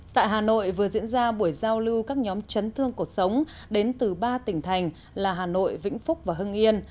tại hà nội vừa diễn ra buổi giao lưu các nhóm chấn thương cuộc sống đến từ ba tỉnh thành là hà nội vĩnh phúc và hưng yên